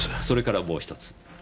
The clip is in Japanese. それからもう１つ。